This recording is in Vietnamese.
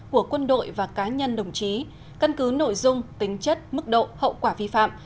của quân đội và cá nhân đồng chí căn cứ nội dung tính chất mức độ hậu quả vi phạm